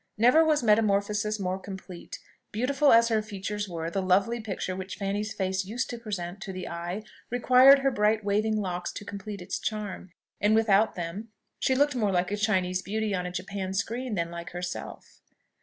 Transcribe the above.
Never was metamorphosis more complete. Beautiful as her features were, the lovely picture which Fanny's face used to present to the eye required her bright waving locks to complete its charm; and without them she looked more like a Chinese beauty on a japan skreen, than like herself.